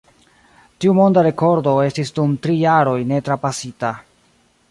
Tiu monda rekordo estis dum tri jaroj ne trapasita.